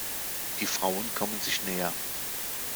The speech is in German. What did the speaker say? Die Frauen kommen sich näher.